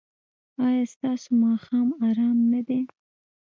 ایا ستاسو ماښام ارام نه دی؟